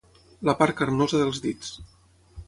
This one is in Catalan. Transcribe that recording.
La part carnosa dels dits.